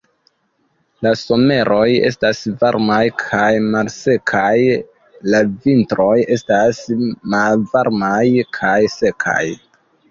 La someroj estas varmaj kaj malsekaj, la vintroj estas malvarmaj kaj sekaj.